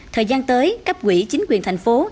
thời gian tới các quỹ chính quyền thành phố